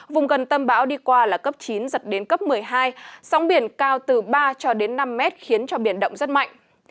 vùng gần tâm bão đi qua là cấp chín giật đến cấp một mươi hai sóng biển cao từ ba cho đến năm mét khiến cho biển động rất mạnh